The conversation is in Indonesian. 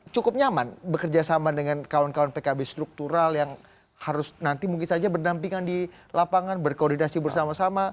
cukup nyaman bekerja sama dengan kawan kawan pkb struktural yang harus nanti mungkin saja berdampingan di lapangan berkoordinasi bersama sama